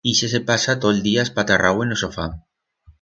Ixe se pasa to'l día espatarrau en o sofá.